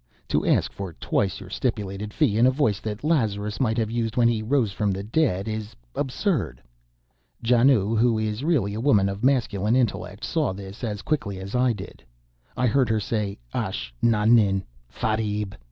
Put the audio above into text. To ask for twice your stipulated fee in a voice that Lazarus might have used when he rose from the dead, is absurd. Janoo, who is really a woman of masculine intellect, saw this as quickly as I did. I heard her say "_Ash nahin! Fareib!